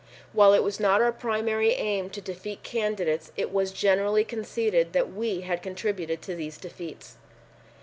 While it was not our primary aim to defeat candidates it was generally conceded that we had contributed to these defeats.